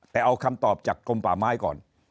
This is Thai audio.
แต่เอาคำตอบจากกลมป่าไม้ก่อน